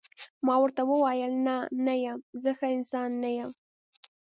ما ورته وویل: نه، نه یم، زه ښه انسان نه یم.